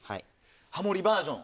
ハモリバージョン。